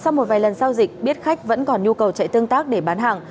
sau một vài lần giao dịch biết khách vẫn còn nhu cầu chạy tương tác để bán hàng